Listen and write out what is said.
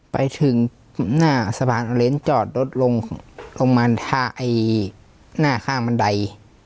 ไปถึงหน้าสะพานเล้นจอดรถลงลงมาท่าหน้าข้างบันได